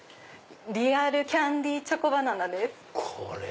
リアルキャンディーチョコバナナです。